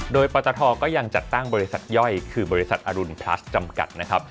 โดยปตทก็ยังจัดตั้งบริษัทย่อยคือบริษัทอรุณพลัสจำกัดนะครับ